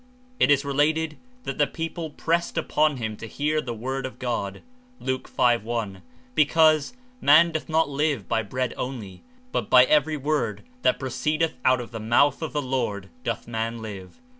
It is related that the people pressed upon him to hear the Word of ^ Truth God (Lu. 5. I.) because, ''Man doth not live by bread only, but by every word that pro II ceedeth out of the mouth of the Lord doth man live.'